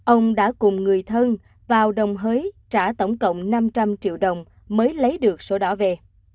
ông đã cùng người thân vào đồng hới trả tổng cộng năm trăm linh triệu đồng mới lấy được số đó về